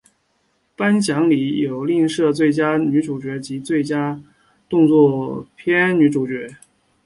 颁奖礼有另设最佳女主角及最佳动作片女主角。